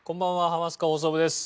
『ハマスカ放送部』です。